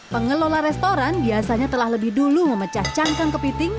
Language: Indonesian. pengelola restoran biasanya telah lebih dulu memecah cangkang kepiting